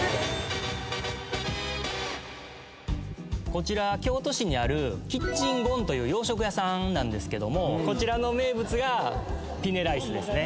こちら京都市にあるキッチンゴンという洋食屋さんなんですけどもこちらの名物がピネライスですね。